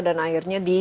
dan akhirnya di